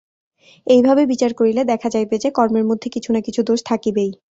এইভাবে বিচার করিলে দেখা যাইবে যে, কর্মের মধ্যে কিছু না কিছু দোষ থাকিবেই।